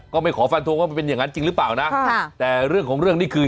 ไม่ขอฟันทงว่ามันเป็นอย่างนั้นจริงหรือเปล่านะค่ะแต่เรื่องของเรื่องนี้คือ